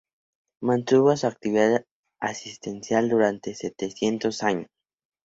Mantuvo su actividad asistencial durante setecientos años.